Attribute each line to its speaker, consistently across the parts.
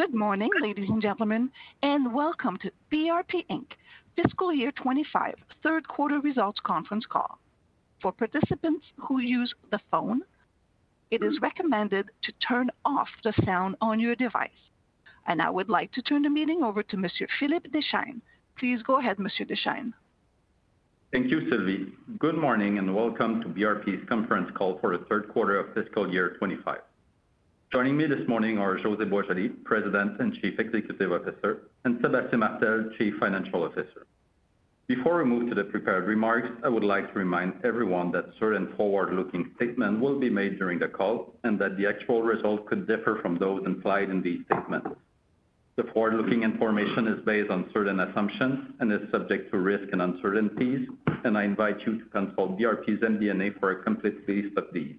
Speaker 1: Good morning, ladies and gentlemen, and welcome to BRP Inc. Fiscal Year '25 Third Quarter Results Conference Call. For participants who use the phone, it is recommended to turn off the sound on your device. And I would like to turn the meeting over to Mr. Philippe Deschênes. Please go ahead, Mr. Deschênes.
Speaker 2: Thank you, Sylvie. Good morning and welcome to BRP's Conference Call for the Third Quarter of Fiscal Year '25. Joining me this morning are José Boisjoli, President and Chief Executive Officer, and Sébastien Martel, Chief Financial Officer. Before we move to the prepared remarks, I would like to remind everyone that certain forward-looking statements will be made during the call and that the actual results could differ from those implied in these statements. The forward-looking information is based on certain assumptions and is subject to risk and uncertainties, and I invite you to consult BRP's MD&A for a complete list of these.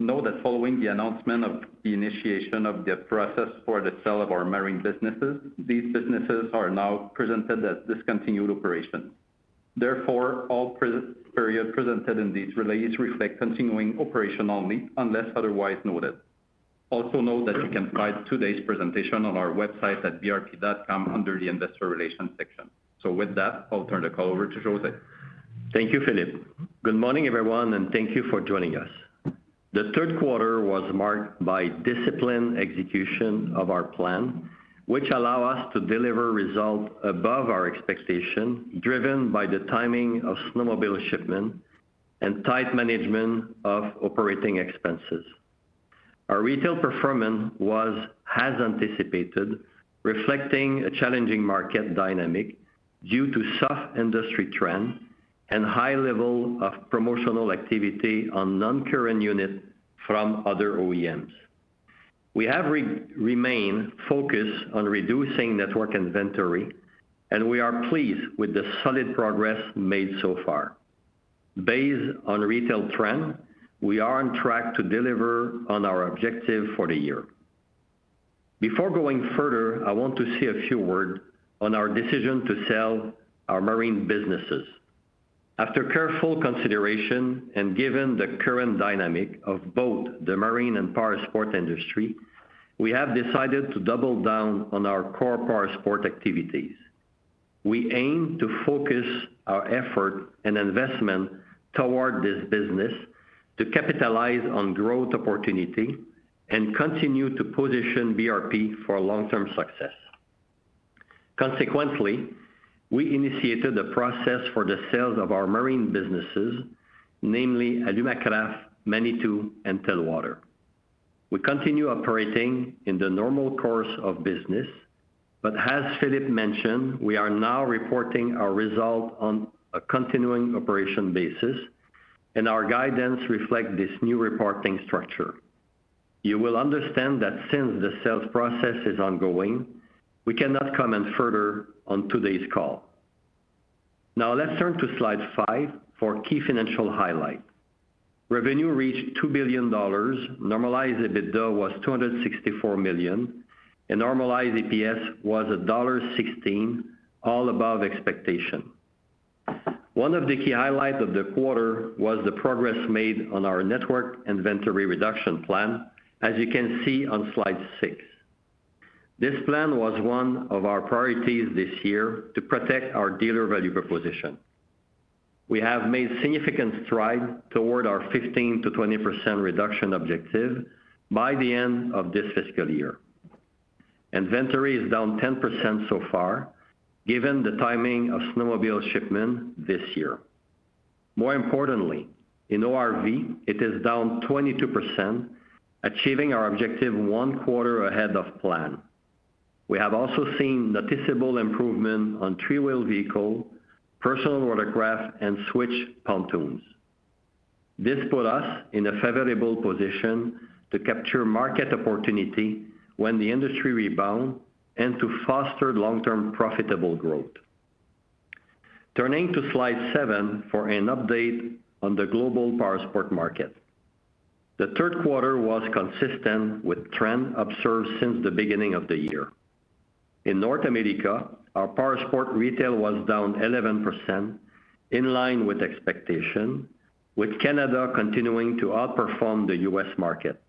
Speaker 2: Additionally, know that following the announcement of the initiation of the process for the sale of our marine businesses, these businesses are now presented as discontinued operations. Therefore, all periods presented in these releases reflect continuing operations only, unless otherwise noted. Also note that you can find today's presentation on our website at brp.com under the Investor Relations section. With that, I'll turn the call over to José.
Speaker 3: Thank you, Philippe. Good morning, everyone, and thank you for joining us. The third quarter was marked by disciplined execution of our plan, which allowed us to deliver results above our expectation, driven by the timing of snowmobile shipment and tight management of operating expenses. Our retail performance was, as anticipated, reflecting a challenging market dynamic due to soft industry trends and high levels of promotional activity on non-current units from other OEMs. We have remained focused on reducing network inventory, and we are pleased with the solid progress made so far. Based on retail trends, we are on track to deliver on our objective for the year. Before going further, I want to say a few words on our decision to sell our marine businesses. After careful consideration and given the current dynamics of both the marine and powersports industry, we have decided to double down on our core powersports activities. We aim to focus our efforts and investment toward this business to capitalize on growth opportunities and continue to position BRP for long-term success. Consequently, we initiated the process for the sale of our marine businesses, namely Alumacraft, Manitou, and Telwater. We continue operating in the normal course of business, but as Philippe mentioned, we are now reporting our results on a continuing operations basis, and our guidance reflects this new reporting structure. You will understand that since the sales process is ongoing, we cannot comment further on today's call. Now, let's turn to slide five for key financial highlights. Revenue reached 2 billion dollars, normalized EBITDA was 264 million, and normalized EPS was $1.16, all above expectation. One of the key highlights of the quarter was the progress made on our network inventory reduction plan, as you can see on slide 6. This plan was one of our priorities this year to protect our dealer value proposition. We have made significant strides toward our 15%-20% reduction objective by the end of this fiscal year. Inventory is down 10% so far, given the timing of snowmobile shipment this year. More importantly, in ORV, it is down 22%, achieving our objective one quarter ahead of plan. We have also seen noticeable improvement on three-wheel vehicles, Personal Watercraft, and Switch pontoons. This put us in a favorable position to capture market opportunity when the industry rebounds and to foster long-term profitable growth. Turning to slide seven for an update on the global powersport market. The third quarter was consistent with trends observed since the beginning of the year. In North America, our powersport retail was down 11%, in line with expectation, with Canada continuing to outperform the U.S. market.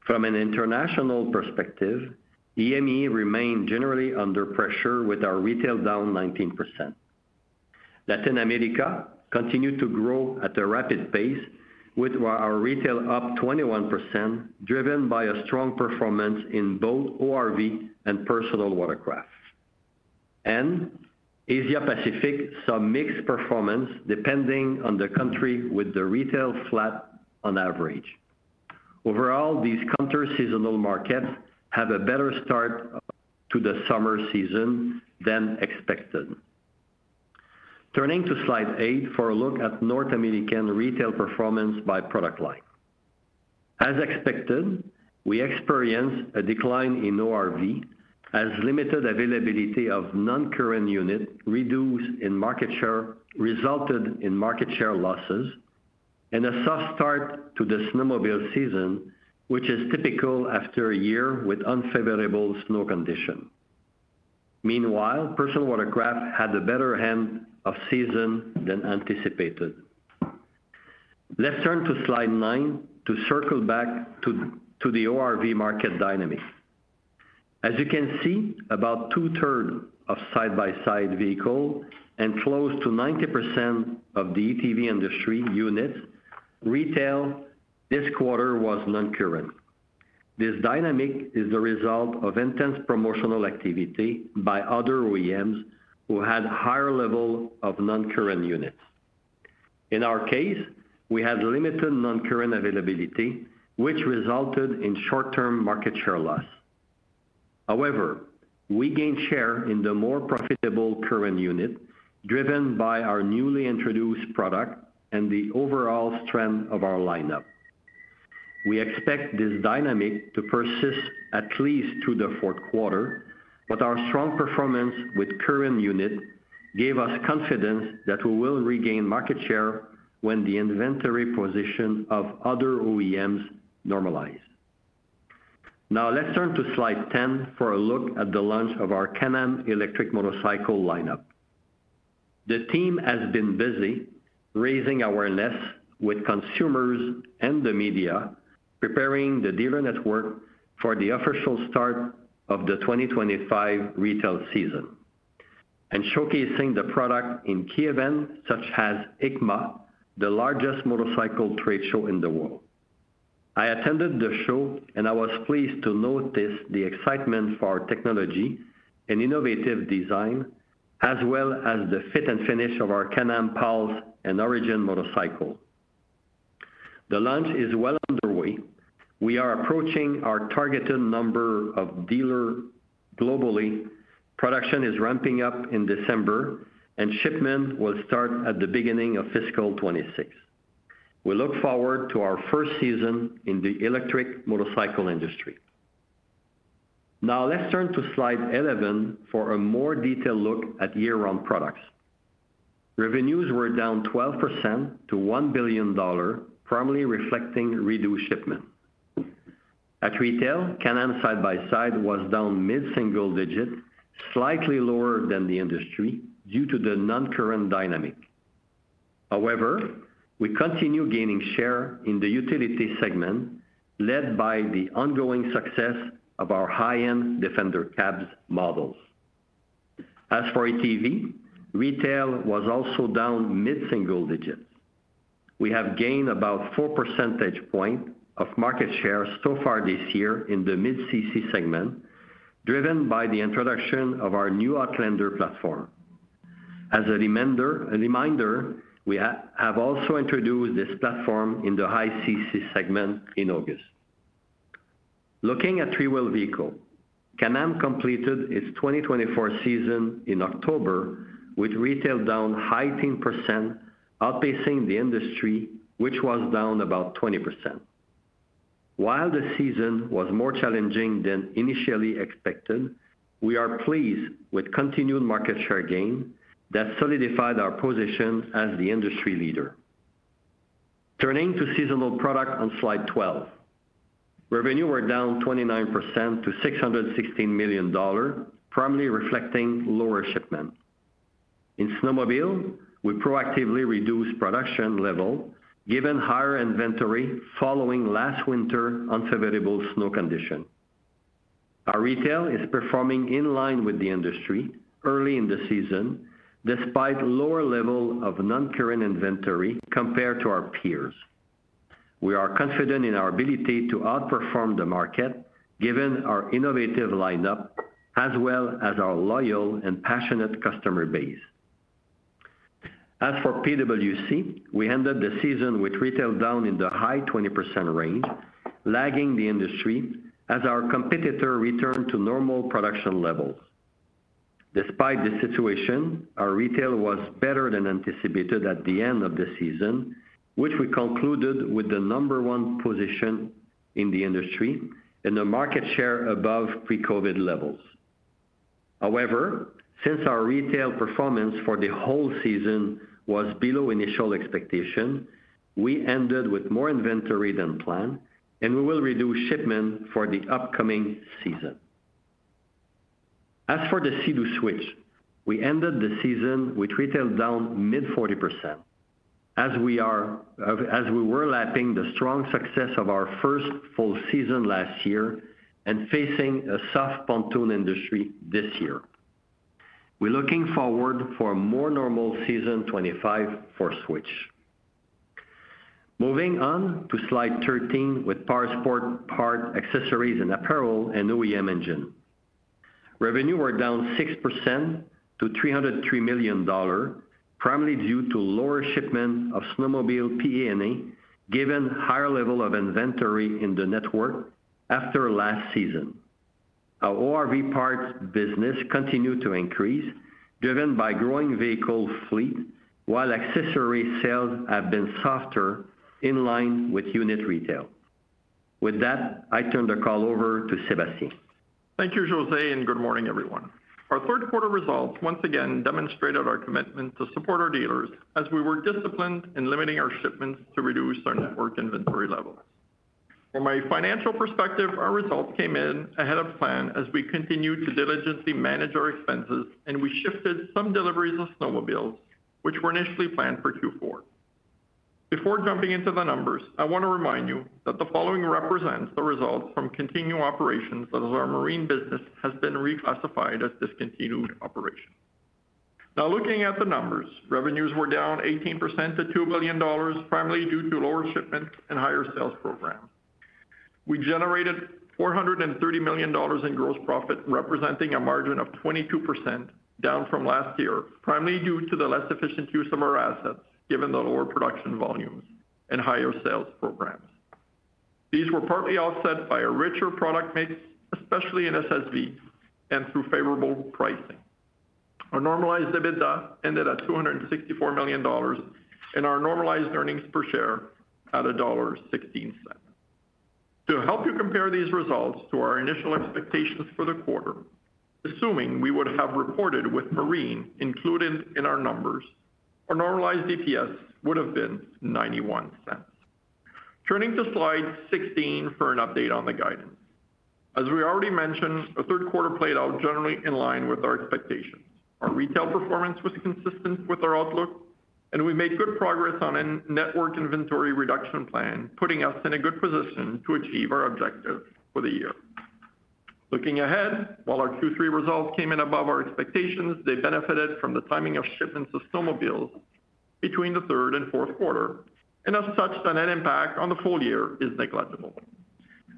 Speaker 3: From an international perspective, EMEA remained generally under pressure, with our retail down 19%. Latin America continued to grow at a rapid pace, with our retail up 21%, driven by strong performance in both ORV and personal watercraft. And Asia-Pacific saw mixed performance, depending on the country, with the retail flat on average. Overall, these counter-seasonal markets had a better start to the summer season than expected. Turning to slide eight for a look at North American retail performance by product line. As expected, we experienced a decline in ORV, as limited availability of non-current units reduced in market share, resulted in market share losses, and a soft start to the snowmobile season, which is typical after a year with unfavorable snow conditions. Meanwhile, personal watercraft had a better half of season than anticipated. Let's turn to slide nine to circle back to the ORV market dynamic. As you can see, about two-thirds of side-by-side vehicles and close to 90% of the ATV industry units retailed this quarter was non-current. This dynamic is the result of intense promotional activity by other OEMs who had higher levels of non-current units. In our case, we had limited non-current availability, which resulted in short-term market share loss. However, we gained share in the more profitable current unit, driven by our newly introduced product and the overall strength of our lineup. We expect this dynamic to persist at least through the fourth quarter, but our strong performance with current units gave us confidence that we will regain market share when the inventory position of other OEMs normalizes. Now, let's turn to slide 10 for a look at the launch of our Can-Am electric motorcycle lineup. The team has been busy raising awareness with consumers and the media, preparing the dealer network for the official start of the 2025 retail season, and showcasing the product in key events such as EICMA, the largest motorcycle trade show in the world. I attended the show, and I was pleased to notice the excitement for our technology and innovative design, as well as the fit and finish of our Can-Am Pulse and Origin motorcycle. The launch is well underway. We are approaching our targeted number of dealers globally. Production is ramping up in December, and shipment will start at the beginning of fiscal 26. We look forward to our first season in the electric motorcycle industry. Now, let's turn to slide 11 for a more detailed look at year-round products. Revenues were down 12% to 1 billion dollar, firmly reflecting reduced shipment. At retail, Can-Am side-by-side was down mid-single digit, slightly lower than the industry due to the non-current dynamic. However, we continue gaining share in the utility segment, led by the ongoing success of our high-end Defender Cabs models. As for ATV, retail was also down mid-single digit. We have gained about 4 percentage points of market share so far this year in the mid-CC segment, driven by the introduction of our new Outlander platform. As a reminder, we have also introduced this platform in the high-CC segment in August. Looking at three-wheel vehicles, Can-Am completed its 2024 season in October, with retail down 19%, outpacing the industry, which was down about 20%. While the season was more challenging than initially expected, we are pleased with continued market share gain that solidified our position as the industry leader. Turning to seasonal product on slide 12, revenues were down 29% to 616 million dollars, firmly reflecting lower shipment. In snowmobiles, we proactively reduced production levels, given higher inventory following last winter's unfavorable snow conditions. Our retail is performing in line with the industry early in the season, despite a lower level of non-current inventory compared to our peers. We are confident in our ability to outperform the market, given our innovative lineup, as well as our loyal and passionate customer base. As for PWC, we ended the season with retail down in the high 20% range, lagging the industry, as our competitor returned to normal production levels. Despite this situation, our retail was better than anticipated at the end of the season, which we concluded with the number one position in the industry and a market share above pre-COVID levels. However, since our retail performance for the whole season was below initial expectations, we ended with more inventory than planned, and we will reduce shipment for the upcoming season. As for the Sea-Doo Switch, we ended the season with retail down mid-40%, as we were lapping the strong success of our first full season last year and facing a soft pontoon industry this year. We're looking forward to a more normal season '25 for Switch. Moving on to slide 13 with powersport parts, accessories, and apparel, and OEM engine. Revenues were down 6% to 303 million dollar, primarily due to lower shipment of snowmobile PA&A, given a higher level of inventory in the network after last season. Our ORV parts business continued to increase, driven by a growing vehicle fleet, while accessory sales have been softer in line with unit retail. With that, I turn the call over to Sébastien.
Speaker 4: Thank you, José, and good morning, everyone. Our third quarter results once again demonstrated our commitment to support our dealers, as we were disciplined in limiting our shipments to reduce our network inventory levels. From a financial perspective, our results came in ahead of plan, as we continued to diligently manage our expenses, and we shifted some deliveries of snowmobiles, which were initially planned for Q4. Before jumping into the numbers, I want to remind you that the following represents the results from continuing operations, as our marine business has been reclassified as discontinued operations. Now, looking at the numbers, revenues were down 18% to 2 billion dollars, primarily due to lower shipments and higher sales programs. We generated 430 million dollars in gross profit, representing a margin of 22%, down from last year, primarily due to the less efficient use of our assets, given the lower production volumes and higher sales programs. These were partly offset by a richer product mix, especially in SSV, and through favorable pricing. Our normalized EBITDA ended at 264 million dollars, and our normalized earnings per share at dollar 1.16. To help you compare these results to our initial expectations for the quarter, assuming we would have reported with marine included in our numbers, our normalized EPS would have been 0.91. Turning to slide 16 for an update on the guidance. As we already mentioned, the third quarter played out generally in line with our expectations. Our retail performance was consistent with our outlook, and we made good progress on a network inventory reduction plan, putting us in a good position to achieve our objectives for the year. Looking ahead, while our Q3 results came in above our expectations, they benefited from the timing of shipments of snowmobiles between the third and fourth quarter, and as such, the net impact on the full year is negligible.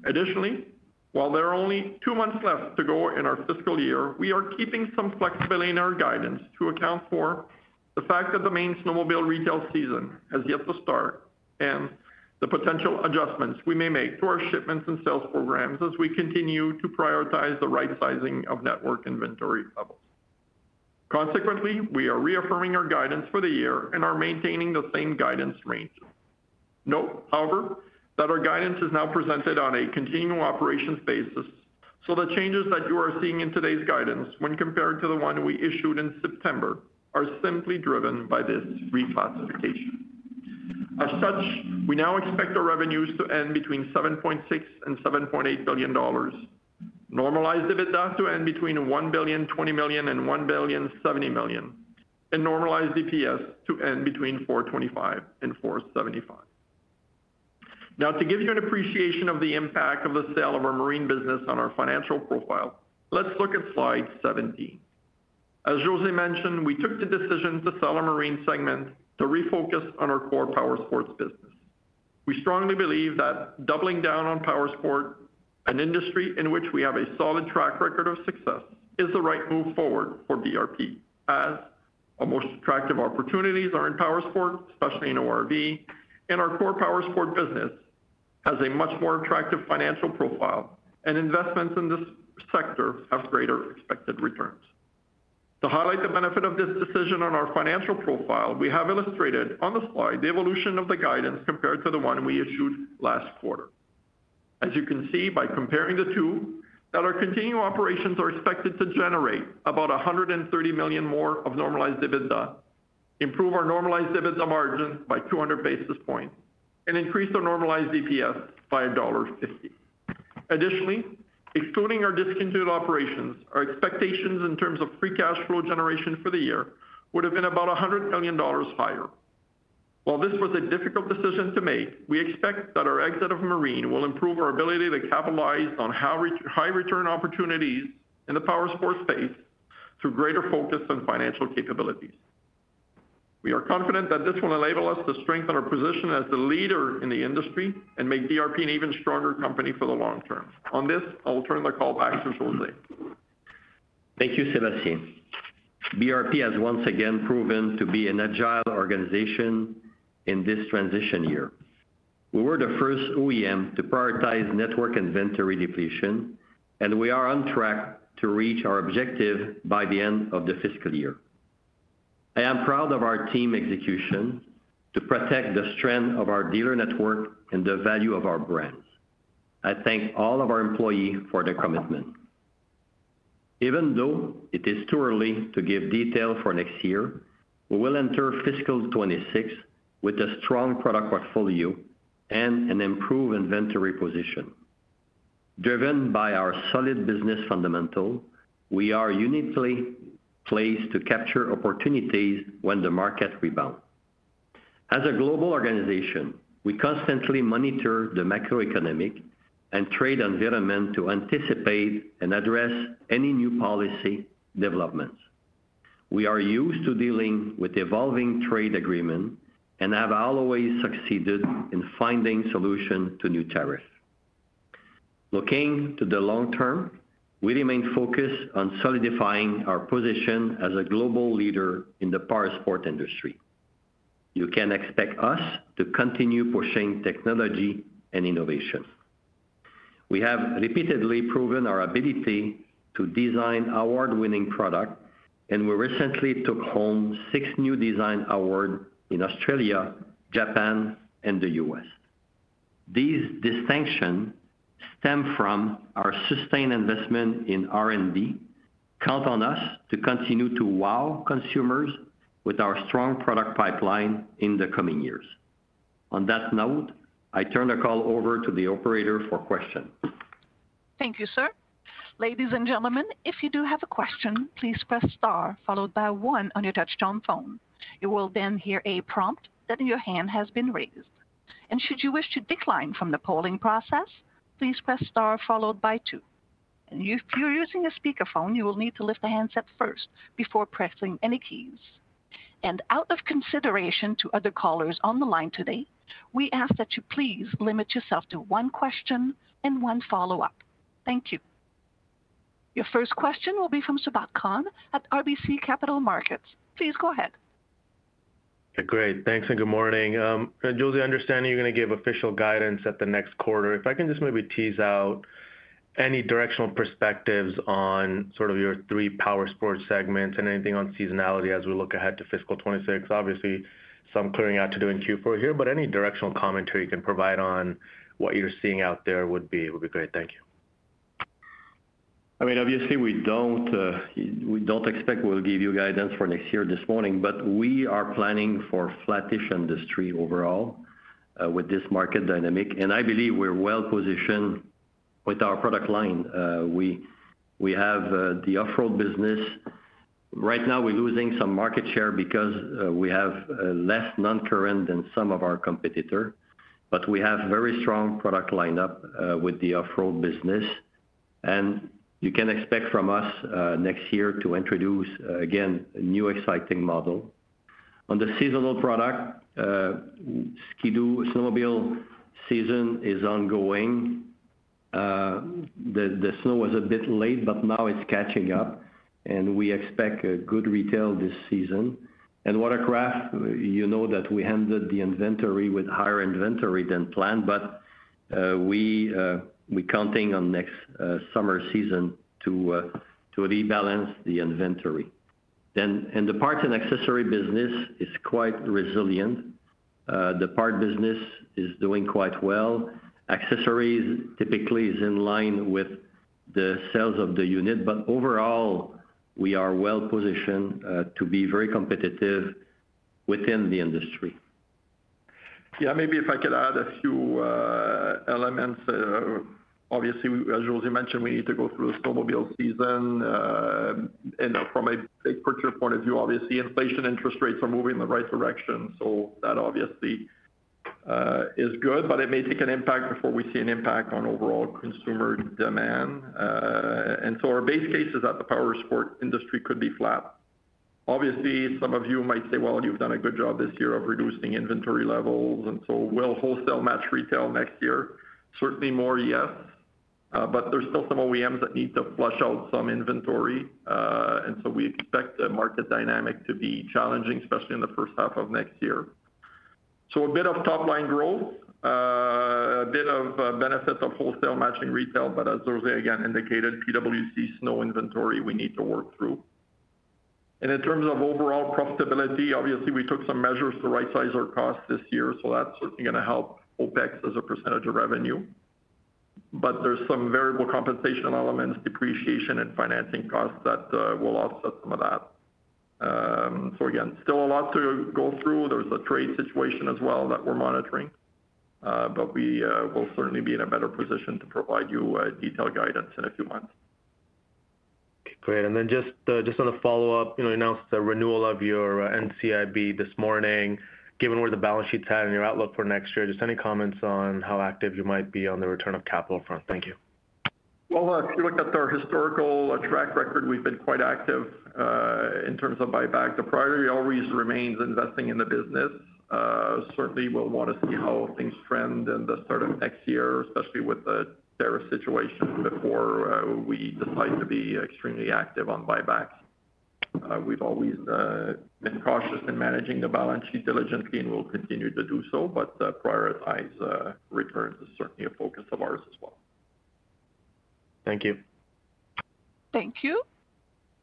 Speaker 4: Additionally, while there are only two months left to go in our fiscal year, we are keeping some flexibility in our guidance to account for the fact that the main snowmobile retail season has yet to start and the potential adjustments we may make to our shipments and sales programs as we continue to prioritize the right sizing of network inventory levels. Consequently, we are reaffirming our guidance for the year and are maintaining the same guidance range. Note, however, that our guidance is now presented on a continuing operations basis, so the changes that you are seeing in today's guidance, when compared to the one we issued in September, are simply driven by this reclassification. As such, we now expect our revenues to end between 7.6 billion and 7.8 billion dollars, normalized EBITDA to end between 1.2 billion and 1.7 billion, and normalized EPS to end between $4.25 and $4.75. Now, to give you an appreciation of the impact of the sale of our marine business on our financial profile, let's look at slide 17. As José mentioned, we took the decision to sell our marine segment to refocus on our core powersports business. We strongly believe that doubling down on powersports, an industry in which we have a solid track record of success, is the right move forward for BRP, as our most attractive opportunities are in powersports, especially in ORV, and our core powersports business has a much more attractive financial profile, and investments in this sector have greater expected returns. To highlight the benefit of this decision on our financial profile, we have illustrated on the slide the evolution of the guidance compared to the one we issued last quarter. As you can see by comparing the two, our continuing operations are expected to generate about 130 million more of normalized EBITDA, improve our normalized EBITDA margin by 200 basis points, and increase our normalized EPS by dollar 1.50. Additionally, excluding our discontinued operations, our expectations in terms of free cash flow generation for the year would have been about 100 million dollars higher. While this was a difficult decision to make, we expect that our exit from marine will improve our ability to capitalize on high return opportunities in the powersports space through greater focus and financial flexibility. We are confident that this will enable us to strengthen our position as a leader in the industry and make BRP an even stronger company for the long term. On this, I will turn the call back to José.
Speaker 3: Thank you, Sébastien. BRP has once again proven to be an agile organization in this transition year. We were the first OEM to prioritize network inventory depletion, and we are on track to reach our objective by the end of the fiscal year. I am proud of our team execution to protect the strength of our dealer network and the value of our brand. I thank all of our employees for their commitment. Even though it is too early to give details for next year, we will enter fiscal 26 with a strong product portfolio and an improved inventory position. Driven by our solid business fundamentals, we are uniquely placed to capture opportunities when the market rebounds. As a global organization, we constantly monitor the macroeconomic and trade environment to anticipate and address any new policy developments. We are used to dealing with evolving trade agreements and have always succeeded in finding solutions to new tariffs. Looking to the long term, we remain focused on solidifying our position as a global leader in the powersports industry. You can expect us to continue pushing technology and innovation. We have repeatedly proven our ability to design award-winning products, and we recently took home six new design awards in Australia, Japan, and the U.S. These distinctions stem from our sustained investment in R&D, and you can count on us to continue to wow consumers with our strong product pipeline in the coming years. On that note, I turn the call over to the operator for questions. Thank you, sir. Ladies and gentlemen, if you do have a question, please press star followed by one on your touch-tone phone. You will then hear a prompt that your hand has been raised.
Speaker 1: Should you wish to decline from the polling process, please press star followed by two. And if you're using a speakerphone, you will need to lift the hands up first before pressing any keys. And out of consideration to other callers on the line today, we ask that you please limit yourself to one question and one follow-up. Thank you. Your first question will be from Sabahat Khan at RBC Capital Markets. Please go ahead.
Speaker 5: Great. Thanks and good morning. José, I understand you're going to give official guidance at the next quarter. If I can just maybe tease out any directional perspectives on sort of your three powersports segments and anything on seasonality as we look ahead to fiscal 26. Obviously, some clearing out to do in Q4 here, but any directional commentary you can provide on what you're seeing out there would be great. Thank you.
Speaker 3: I mean, obviously, we don't expect we'll give you guidance for next year this morning, but we are planning for a flattish industry overall with this market dynamic. And I believe we're well positioned with our product line. We have the off-road business. Right now, we're losing some market share because we have less non-current than some of our competitors, but we have a very strong product lineup with the off-road business. And you can expect from us next year to introduce again a new exciting model. On the seasonal product, Ski-Doo snowmobile season is ongoing. The snow was a bit late, but now it's catching up, and we expect good retail this season. And watercraft, you know that we handled the inventory with higher inventory than planned, but we're counting on next summer season to rebalance the inventory. And the parts and accessory business is quite resilient. The parts business is doing quite well. Accessories typically are in line with the sales of the unit, but overall, we are well positioned to be very competitive within the industry.
Speaker 4: Yeah, maybe if I could add a few elements. Obviously, as José mentioned, we need to go through the snowmobile season. And from a big picture point of view, obviously, inflation and interest rates are moving in the right direction. So that obviously is good, but it may take an impact before we see an impact on overall consumer demand. And so our base case is that the powersport industry could be flat. Obviously, some of you might say, "Well, you've done a good job this year of reducing inventory levels." And so will wholesale match retail next year? Certainly more, yes. But there's still some OEMs that need to flush out some inventory. And so we expect the market dynamic to be challenging, especially in the first half of next year. So a bit of top-line growth, a bit of benefit of wholesale matching retail, but as José again indicated, PWC snow inventory we need to work through. And in terms of overall profitability, obviously, we took some measures to right-size our costs this year. So that's certainly going to help OpEx as a percentage of revenue. But there's some variable compensation elements, depreciation, and financing costs that will offset some of that. So again, still a lot to go through. There's a trade situation as well that we're monitoring, but we will certainly be in a better position to provide you detailed guidance in a few months.
Speaker 5: Great. And then just on a follow-up, you announced the renewal of your NCIB this morning. Given where the balance sheet's at and your outlook for next year, just any comments on how active you might be on the return of capital front? Thank you.
Speaker 3: If you look at our historical track record, we've been quite active in terms of buyback. The priority always remains investing in the business. Certainly, we'll want to see how things trend in the start of next year, especially with the tariff situation before we decide to be extremely active on buybacks. We've always been cautious in managing the balance sheet diligently and will continue to do so, but prioritize returns is certainly a focus of ours as well.
Speaker 5: Thank you.
Speaker 1: Thank you.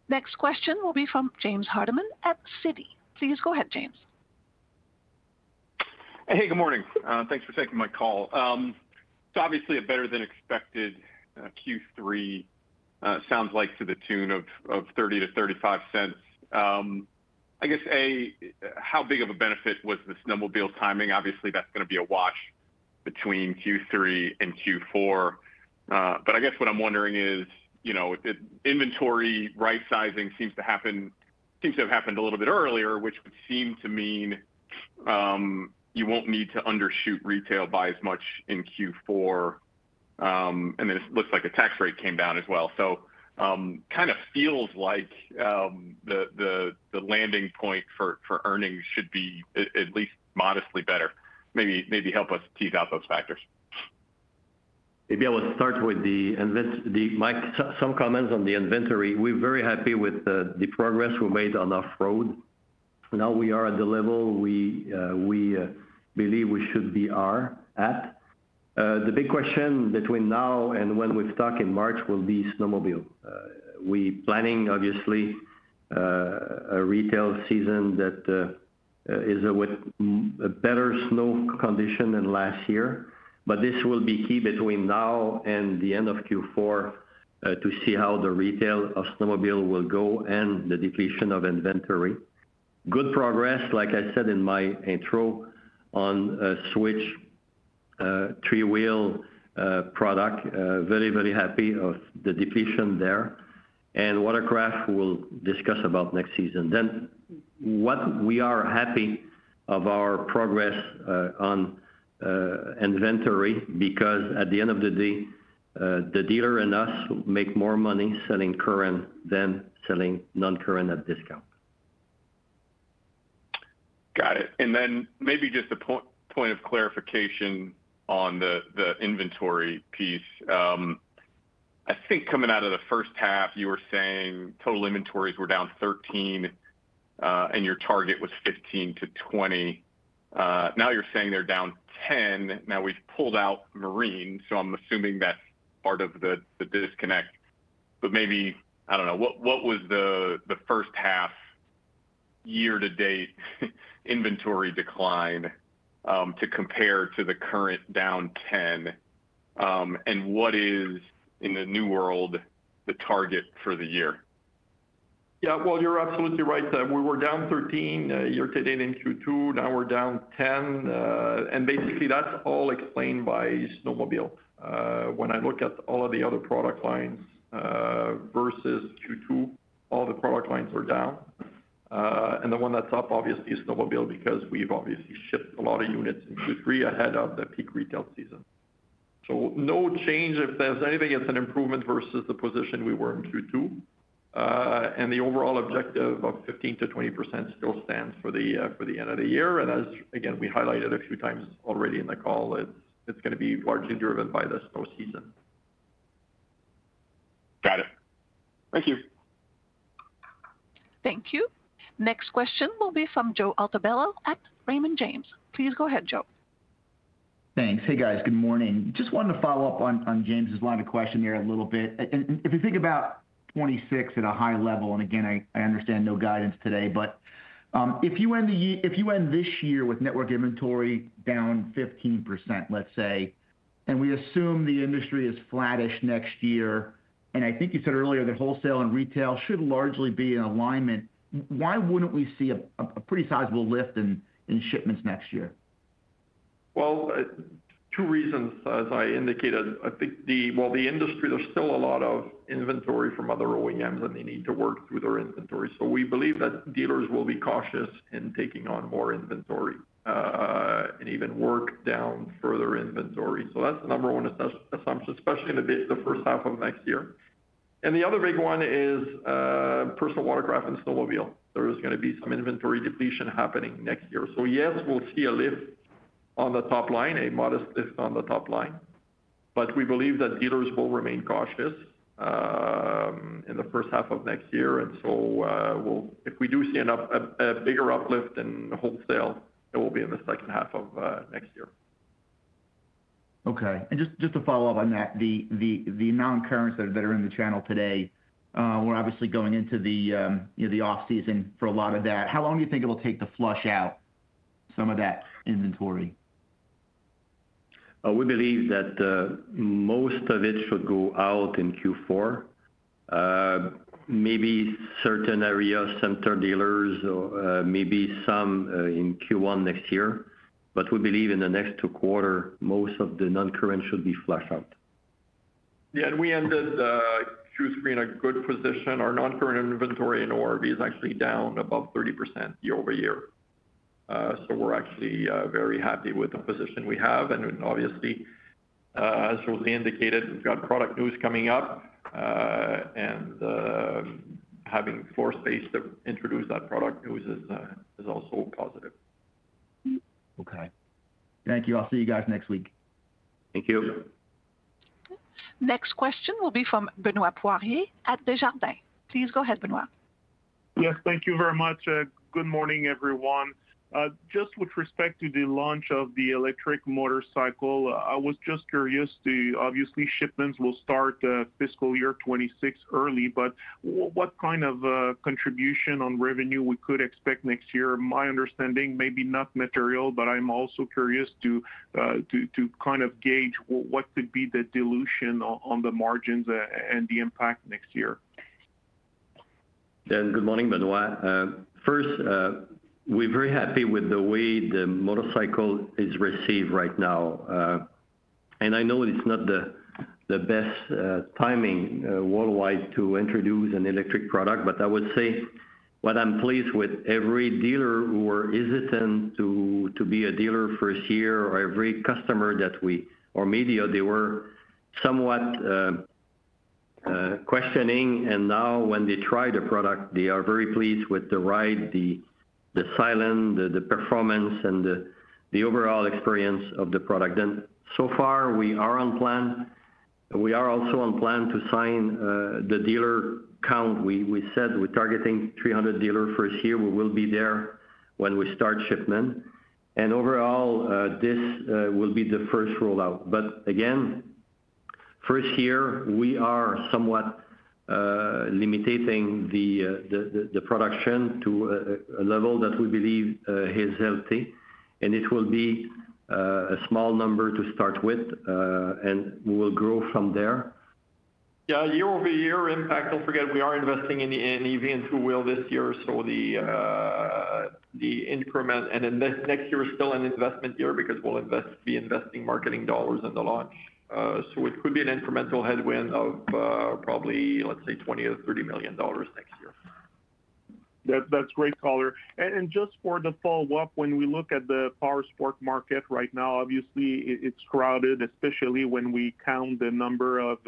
Speaker 1: Next question will be from James Hardiman at Citi. Please go ahead, James.
Speaker 6: Hey, good morning. Thanks for taking my call. So obviously, a better-than-expected Q3 sounds like to the tune of 0.30-0.35. I guess, A, how big of a benefit was the snowmobile timing? Obviously, that's going to be a wash between Q3 and Q4. But I guess what I'm wondering is inventory right-sizing seems to have happened a little bit earlier, which would seem to mean you won't need to undershoot retail by as much in Q4. And then it looks like a tax rate came down as well. So kind of feels like the landing point for earnings should be at least modestly better. Maybe help us tease out those factors.
Speaker 3: Maybe I will start with some comments on the inventory. We're very happy with the progress we made on off-road. Now we are at the level we believe we should be at. The big question between now and when we ship stock in March will be snowmobile. We're planning, obviously, a retail season that is with better snow condition than last year. This will be key between now and the end of Q4 to see how the retail of snowmobile will go and the depletion of inventory. Good progress, like I said in my intro on a Switch three-wheel product. Very, very happy of the depletion there. Watercraft we'll discuss about next season. What we are happy about is our progress on inventory because at the end of the day, the dealer and us make more money selling current than selling non-current at discount.
Speaker 6: Got it. Then maybe just a point of clarification on the inventory piece. I think coming out of the first half, you were saying total inventories were down 13%, and your target was 15%-20%. Now you're saying they're down 10%. Now we've pulled out Marine, so I'm assuming that's part of the disconnect. But maybe, I don't know, what was the first-half year-to-date inventory decline to compare to the current down 10%? And what is, in the new world, the target for the year?
Speaker 4: Yeah, well, you're absolutely right. We were down 13% year-to-date in Q2. Now we're down 10%. And basically, that's all explained by snowmobile. When I look at all of the other product lines versus Q2, all the product lines are down. And the one that's up, obviously, is snowmobile because we've obviously shipped a lot of units in Q3 ahead of the peak retail season. So no change. If there's anything, it's an improvement versus the position we were in Q2. And the overall objective of 15%-20% still stands for the end of the year. As, again, we highlighted a few times already in the call, it's going to be largely driven by the snow season.
Speaker 6: Got it. Thank you.
Speaker 1: Thank you. Next question will be from Joe Altobello at Raymond James. Please go ahead, Joe.
Speaker 7: Thanks. Hey, guys. Good morning. Just wanted to follow up on James' line of question here a little bit. If you think about 2026 at a high level, and again, I understand no guidance today, but if you end this year with network inventory down 15%, let's say, and we assume the industry is flattish next year, and I think you said earlier that wholesale and retail should largely be in alignment, why wouldn't we see a pretty sizable lift in shipments next year?
Speaker 4: Well, two reasons, as I indicated. I think while the industry, there's still a lot of inventory from other OEMs, and they need to work through their inventory. So we believe that dealers will be cautious in taking on more inventory and even work down further inventory. So that's the number one assumption, especially in the first half of next year. And the other big one is personal watercraft and snowmobile. There is going to be some inventory depletion happening next year. So yes, we'll see a lift on the top line, a modest lift on the top line. But we believe that dealers will remain cautious in the first half of next year. And so if we do see a bigger uplift in wholesale, it will be in the second half of next year.
Speaker 7: Okay. And just to follow up on that, the non-current that is in the channel today, we're obviously going into the off-season for a lot of that. How long do you think it will take to flush out some of that inventory?
Speaker 3: We believe that most of it should go out in Q4. Maybe certain areas, some dealers, maybe some in Q1 next year. But we believe in the next quarter, most of the non-current should be flushed out.
Speaker 4: Yeah. And we ended Q3 in a good position. Our non-current inventory in ORV is actually down about 30% year-over-year. So we're actually very happy with the position we have. And obviously, as José indicated, we've got product news coming up. And having floor space to introduce that product news is also positive.
Speaker 7: Okay. Thank you. I'll see you guys next week.
Speaker 3: Thank you.
Speaker 1: Next question will be from Benoît Poirier at Desjardins. Please go ahead, Benoît.
Speaker 8: Yes. Thank you very much. Good morning, everyone. Just with respect to the launch of the electric motorcycle, I was just curious to obviously shipments will start fiscal year '26 early, but what kind of contribution on revenue we could expect next year? My understanding, maybe not material, but I'm also curious to kind of gauge what could be the dilution on the margins and the impact next year.
Speaker 3: And good morning, Benoît. First, we're very happy with the way the motorcycle is received right now. And I know it's not the best timing worldwide to introduce an electric product, but I would say what I'm pleased with, every dealer who is hesitant to be a dealer first year or every customer that we or media, they were somewhat questioning. And now, when they try the product, they are very pleased with the ride, the silence, the performance, and the overall experience of the product. And so far, we are on plan. We are also on plan to sign the dealer count. We said we're targeting 300 dealers first year. We will be there when we start shipment. And overall, this will be the first rollout. But again, first year, we are somewhat limiting the production to a level that we believe is healthy. And it will be a small number to start with, and we will grow from there.
Speaker 4: Yeah. Year-over-year impact. Don't forget, we are investing in EV and two-wheel this year. So the increment, and next year is still an investment year because we'll be investing marketing dollars in the launch. So it could be an incremental headwind of probably, let's say, 20 million or 30 million dollars next year.
Speaker 8: That's great, color. And just for the follow-up, when we look at the powersport market right now, obviously, it's crowded, especially when we count the number of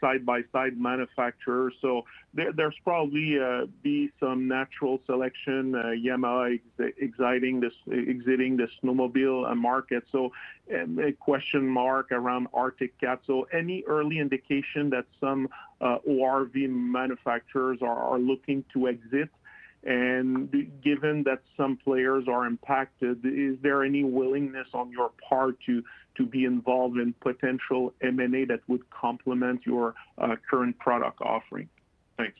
Speaker 8: side-by-side manufacturers. So there's probably be some natural selection, Yamaha exiting the snowmobile market. So a question mark around Arctic Cat. So any early indication that some ORV manufacturers are looking to exit? And given that some players are impacted, is there any willingness on your part to be involved in potential M&A that would complement your current product offering?
Speaker 3: Thanks.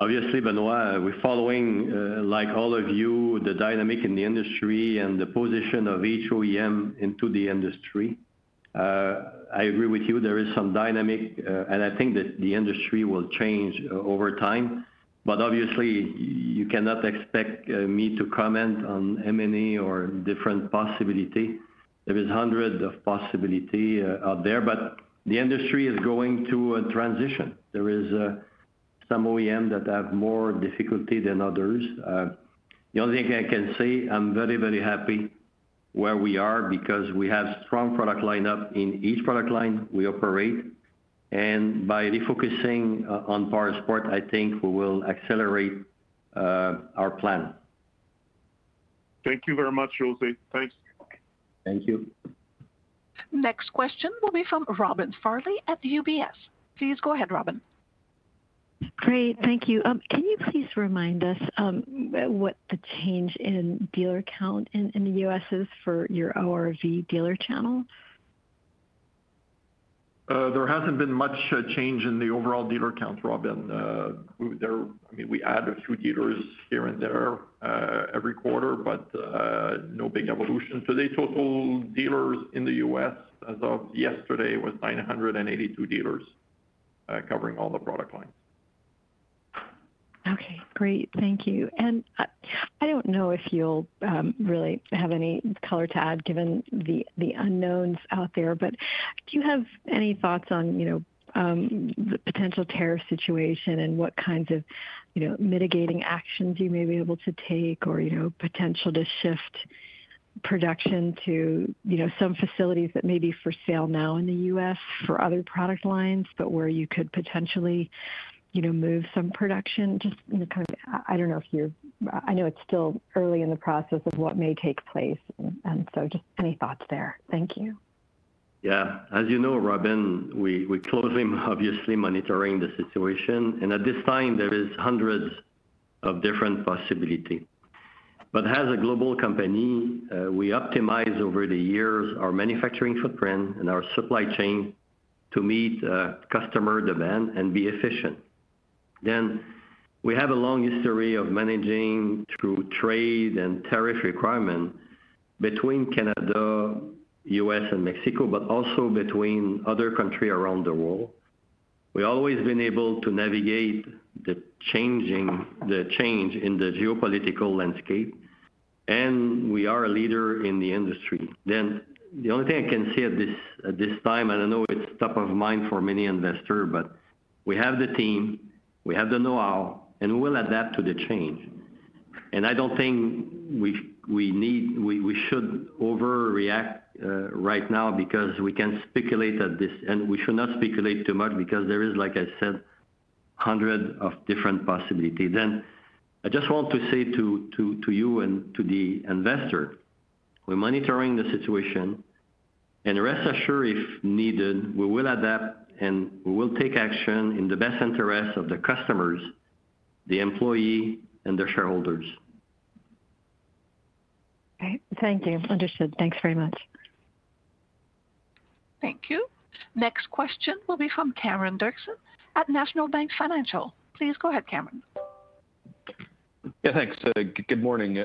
Speaker 3: Obviously, Benoît, we're following, like all of you, the dynamic in the industry and the position of each OEM into the industry. I agree with you. There is some dynamic, and I think that the industry will change over time. But obviously, you cannot expect me to comment on M&A or different possibility. There are hundreds of possibilities out there, but the industry is going through a transition. There are some OEMs that have more difficulty than others. The only thing I can say, I'm very, very happy where we are because we have a strong product lineup in each product line we operate. And by refocusing on powersports, I think we will accelerate our plan.
Speaker 8: Thank you very much, Josée. Thanks.
Speaker 3: Thank you.
Speaker 1: Next question will be from Robin Farley at UBS. Please go ahead, Robin.
Speaker 9: Great. Thank you. Can you please remind us what the change in dealer count in the U.S. is for your ORV dealer channel?
Speaker 3: There hasn't been much change in the overall dealer count, Robin. I mean, we add a few dealers here and there every quarter, but no big evolution. So the total dealers in the U.S. as of yesterday was 982 dealers covering all the product lines.
Speaker 9: Okay. Great. Thank you. And I don't know if you'll really have any color to add given the unknowns out there, but do you have any thoughts on the potential tariff situation and what kinds of mitigating actions you may be able to take or potential to shift production to some facilities that may be for sale now in the U.S. for other product lines, but where you could potentially move some production just kind of? I don't know if you're—I know it's still early in the process of what may take place. And so just any thoughts there? Thank you.
Speaker 3: Yeah. As you know, Robin, we're closely, obviously, monitoring the situation. And at this time, there are hundreds of different possibilities. But as a global company, we optimize over the years our manufacturing footprint and our supply chain to meet customer demand and be efficient. Then we have a long history of managing through trade and tariff requirements between Canada, U.S., and Mexico, but also between other countries around the world. We've always been able to navigate the change in the geopolitical landscape, and we are a leader in the industry. Then the only thing I can say at this time, and I know it's top of mind for many investors, but we have the team, we have the know-how, and we will adapt to the change. And I don't think we should overreact right now because we can speculate at this, and we should not speculate too much because there is, like I said, hundreds of different possibilities. Then I just want to say to you and to the investor, we're monitoring the situation, and rest assured if needed, we will adapt and we will take action in the best interest of the customers, the employee, and the shareholders.
Speaker 9: Thank you. Understood. Thanks very much.
Speaker 1: Thank you. Next question will be from Cameron Doerksen at National Bank Financial. Please go ahead, Cameron.
Speaker 10: Yeah. Thanks. Good morning.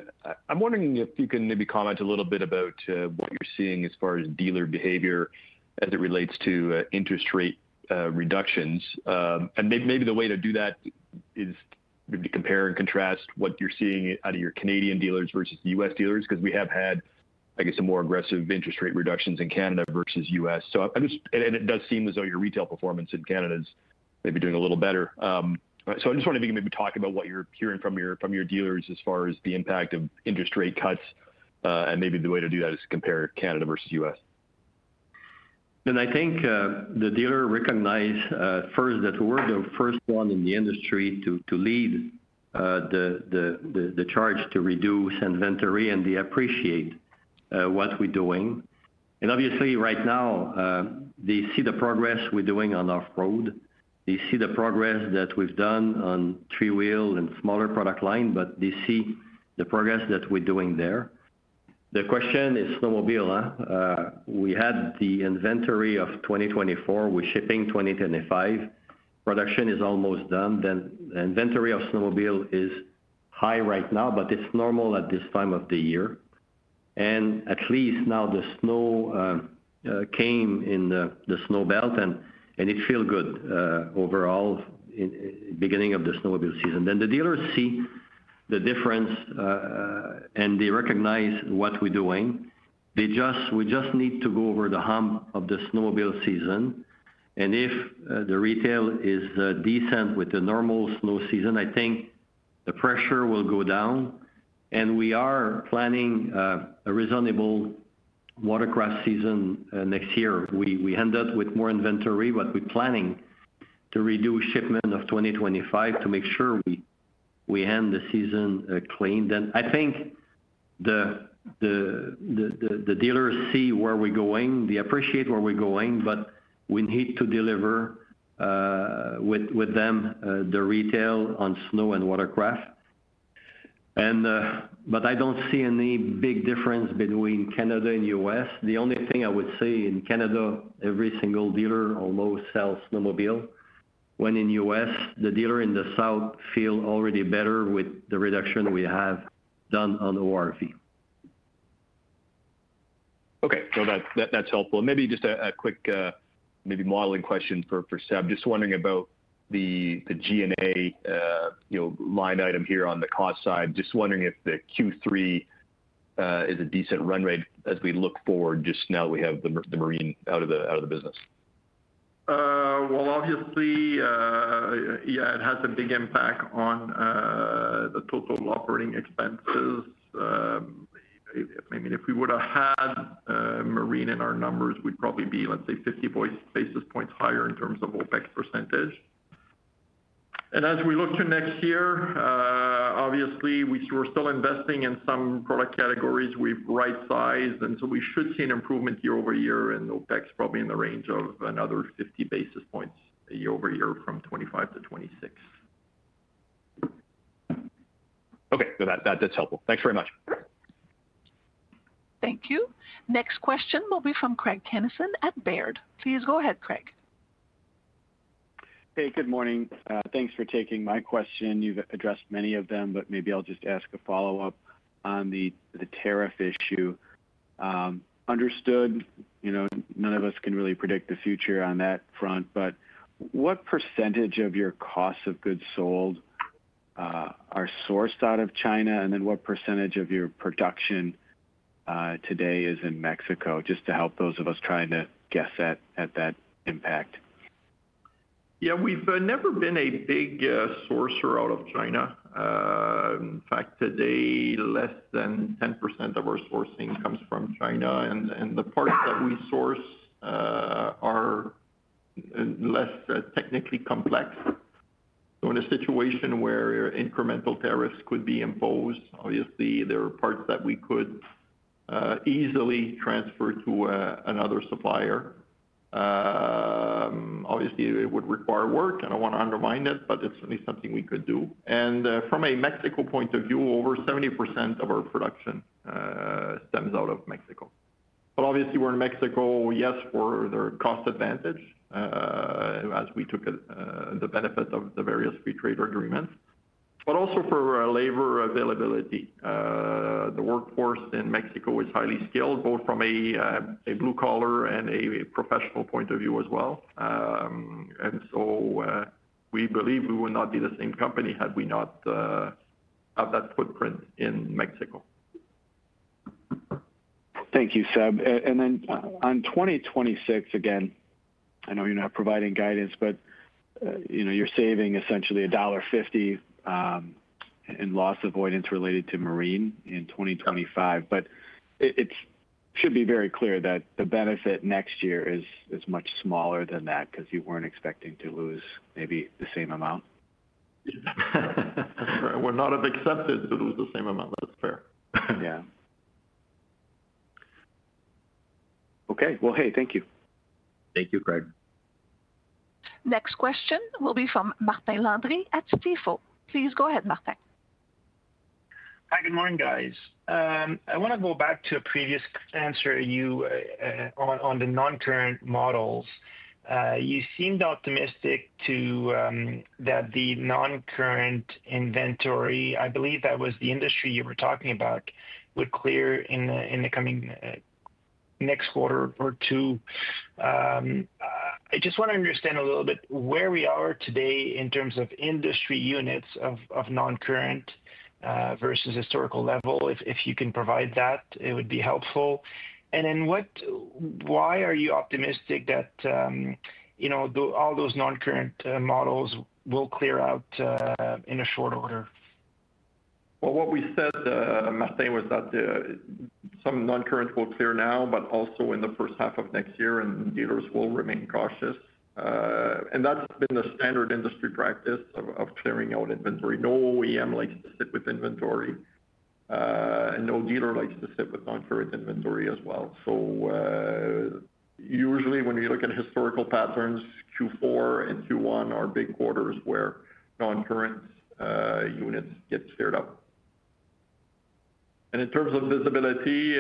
Speaker 10: I'm wondering if you can maybe comment a little bit about what you're seeing as far as dealer behavior as it relates to interest rate reductions. And maybe the way to do that is maybe compare and contrast what you're seeing out of your Canadian dealers versus the U.S. dealers because we have had, I guess, some more aggressive interest rate reductions in Canada versus the U.S. It does seem as though your retail performance in Canada is maybe doing a little better. I just wanted to maybe talk about what you're hearing from your dealers as far as the impact of interest rate cuts. Maybe the way to do that is compare Canada versus the U.S.
Speaker 3: I think the dealer recognized first that we're the first one in the industry to lead the charge to reduce inventory and they appreciate what we're doing. Obviously, right now, they see the progress we're doing on off-road. They see the progress that we've done on three-wheel and smaller product line, but they see the progress that we're doing there. The question is snowmobile. We had the inventory of 2024. We're shipping 2025. Production is almost done. The inventory of snowmobile is high right now, but it's normal at this time of the year. And at least now the snow came in the snow belt, and it feels good overall in the beginning of the snowmobile season. Then the dealers see the difference, and they recognize what we're doing. We just need to go over the hump of the snowmobile season. And if the retail is decent with the normal snow season, I think the pressure will go down. And we are planning a reasonable watercraft season next year. We ended with more inventory, but we're planning to reduce shipment of 2025 to make sure we end the season clean. Then I think the dealers see where we're going. They appreciate where we're going, but we need to deliver with them the retail on snow and watercraft. But I don't see any big difference between Canada and the U.S. The only thing I would say, in Canada, every single dealer almost sells snowmobile, when in the U.S., the dealer in the south feels already better with the reduction we have done on ORV.
Speaker 10: Okay. So that's helpful, and maybe just a quick modeling question for Seb. Just wondering about the G&A line item here on the cost side. Just wondering if the Q3 is a decent run rate as we look forward, now that we have the marine out of the business.
Speaker 4: Well, obviously, yeah, it has a big impact on the total operating expenses. I mean, if we would have had marine in our numbers, we'd probably be, let's say, 50 basis points higher in terms of OpEx percentage. And as we look to next year, obviously, we're still investing in some product categories. We've right-sized, and so we should see an improvement year-over-year, and OpEx probably in the range of another 50 basis points year-over-year from 25 to 26.
Speaker 10: Okay. So that's helpful. Thanks very much.
Speaker 1: Thank you. Next question will be from Craig Kennison at Baird. Please go ahead, Craig.
Speaker 11: Hey, good morning. Thanks for taking my question. You've addressed many of them, but maybe I'll just ask a follow-up on the tariff issue. Understood. None of us can really predict the future on that front, but what % of your costs of goods sold are sourced out of China? And then what % of your production today is in Mexico? Just to help those of us trying to guess at that impact.
Speaker 4: Yeah. We've never been a big sourcer out of China. In fact, today, less than 10% of our sourcing comes from China, and the parts that we source are less technically complex. So in a situation where incremental tariffs could be imposed, obviously, there are parts that we could easily transfer to another supplier. Obviously, it would require work. I don't want to undermine that, but it's certainly something we could do. And from a Mexico point of view, over 70% of our production stems out of Mexico. But obviously, we're in Mexico, yes, for the cost advantage as we took the benefit of the various free trade agreements, but also for labor availability. The workforce in Mexico is highly skilled, both from a blue-collar and a professional point of view as well. And so we believe we would not be the same company had we not had that footprint in Mexico.
Speaker 11: Thank you, Seb. And then on 2026, again, I know you're not providing guidance, but you're saving essentially $1.50 in loss avoidance related to marine in 2025. But it should be very clear that the benefit next year is much smaller than that because you weren't expecting to lose maybe the same amount.
Speaker 4: We're not expected to lose the same amount.
Speaker 11: That's fair.
Speaker 4: Yeah.
Speaker 11: Okay. Well, hey, thank you.
Speaker 4: Thank you, Craig.
Speaker 1: Next question will be from Martin Landry at Stifel. Please go ahead, Martin.
Speaker 12: Hi, good morning, guys. I want to go back to a previous answer on the non-current models. You seemed optimistic that the non-current inventory, I believe that was the industry you were talking about, would clear in the coming next quarter or two. I just want to understand a little bit where we are today in terms of industry units of non-current versus historical level. If you can provide that, it would be helpful. Then why are you optimistic that all those non-current models will clear out in short order?
Speaker 3: What we said, Martin, was that some non-current will clear now, but also in the first half of next year, and dealers will remain cautious. That's been the standard industry practice of clearing out inventory. No OEM likes to sit with inventory, and no dealer likes to sit with non-current inventory as well. Usually, when you look at historical patterns, Q4 and Q1 are big quarters where non-current units get cleared up. In terms of visibility,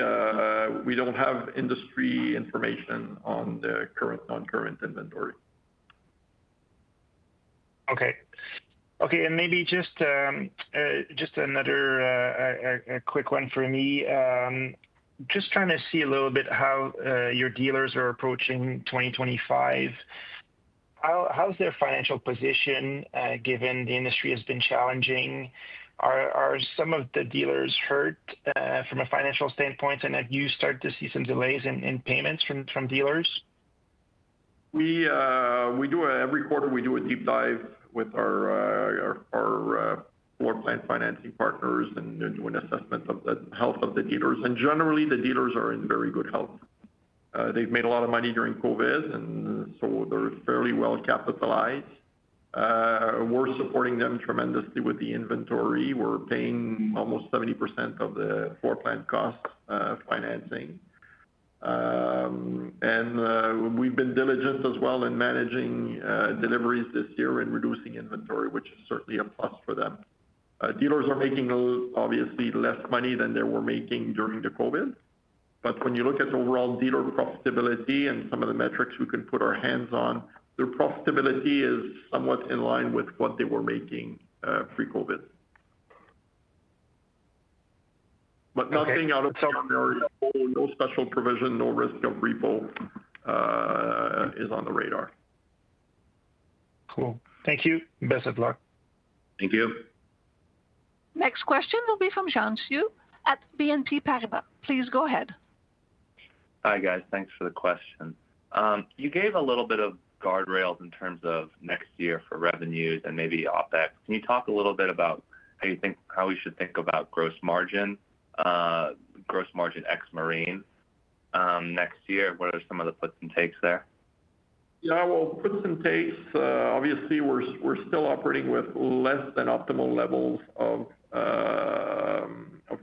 Speaker 3: we don't have industry information on the current non-current inventory.
Speaker 12: Okay. Okay. Maybe just another quick one for me. Just trying to see a little bit how your dealers are approaching 2025. How's their financial position given the industry has been challenging? Are some of the dealers hurt from a financial standpoint, and have you started to see some delays in payments from dealers?
Speaker 4: Every quarter, we do a deep dive with our floor plan financing partners and do an assessment of the health of the dealers, and generally, the dealers are in very good health. They've made a lot of money during COVID, and so they're fairly well capitalized. We're supporting them tremendously with the inventory. We're paying almost 70% of the floor plan cost financing, and we've been diligent as well in managing deliveries this year and reducing inventory, which is certainly a plus for them. Dealers are making, obviously, less money than they were making during the COVID, but when you look at overall dealer profitability and some of the metrics we can put our hands on, their profitability is somewhat in line with what they were making pre-COVID. But nothing out of ordinary, no special provision, no risk of repo is on the radar.
Speaker 12: Cool. Thank you. Best of luck.
Speaker 3: Thank you.
Speaker 1: Next question will be from Xian Siew at BNP Paribas. Please go ahead.
Speaker 13: Hi, guys. Thanks for the question. You gave a little bit of guardrails in terms of next year for revenues and maybe OpEx. Can you talk a little bit about how you think how we should think about gross margin, gross margin ex marine next year? What are some of the puts and takes there?
Speaker 3: Yeah. Well, puts and takes, obviously, we're still operating with less than optimal levels of